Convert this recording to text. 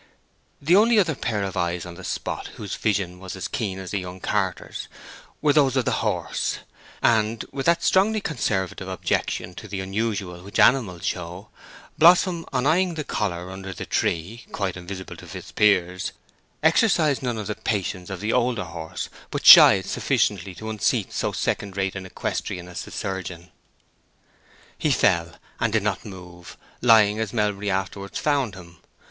The only other pair of eyes on the spot whose vision was keen as the young carter's were those of the horse; and, with that strongly conservative objection to the unusual which animals show, Blossom, on eying the collar under the tree—quite invisible to Fitzpiers—exercised none of the patience of the older horse, but shied sufficiently to unseat so second rate an equestrian as the surgeon. He fell, and did not move, lying as Melbury afterwards found him.